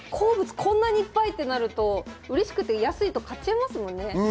こんなにいっぱいとなると、うれしくて安いと買っちゃいますよね。